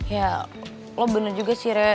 ya lo bener juga sih rea